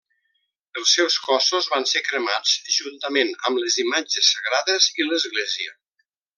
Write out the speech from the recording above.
Els seus cossos van ser cremats juntament amb les imatges sagrades i l'església.